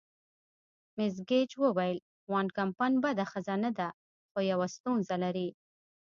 مس ګیج وویل: وان کمپن بده ښځه نه ده، خو یوه ستونزه لري.